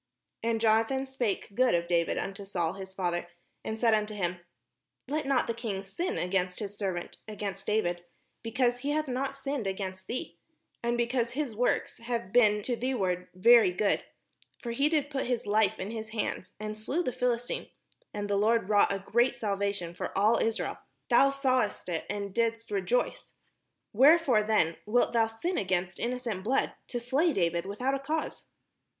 And Jonathan spake good of David imto Saul his father, and said unto him, ''Let not the Idng sin against his servant, against David; because he hath not sinned against thee, and because his works have been to thee ward very good: for he did put his life in his hand, and slew the Philistine, and the Lord wrought a great salva tion for all Israel: thou sawest it, and didst rejoice: wherefore then wdlt thou sin against innocent blood, to slay David without a cause?"